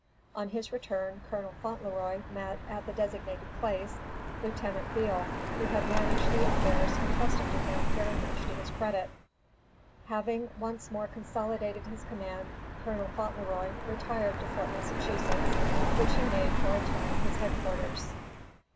On his return, Colonel Fauntleroy met, at the designated place, Lieutenant Beall, who had managed the affairs intrusted to him very much to his credit. Having once more consolidated his command, Colonel Fauntleroy retired to Fort Massachusetts, which he made, for a time, his head quarters.